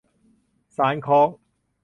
สานข้อง